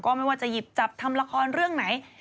ไม่ว่าจะหยิบจับทำละครเรื่องไหน